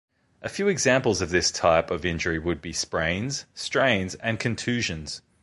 A few examples of this type of injury would be sprains, strains, and contusions.